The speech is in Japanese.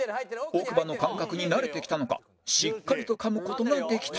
奥歯の感覚に慣れてきたのかしっかりと噛む事ができた